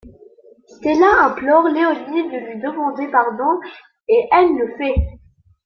Stella implore Léonie de lui demander pardon et elle le fait.